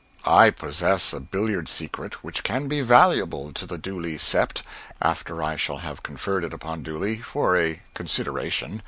I possess a billiard secret which can be valuable to the Dooley sept, after I shall have conferred it upon Dooley for a consideration.